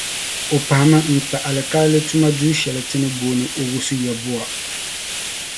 O pahimi n kpa Alikaali tuma duu shɛli ti ni booni Owusu-Yeboah.